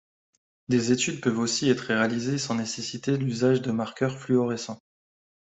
Des études peuvent aussi être réalisées sans nécessiter l'usage de marqueurs fluorescents.